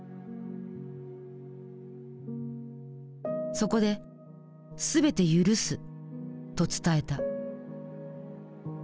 そこで「すべて赦す」と伝えた。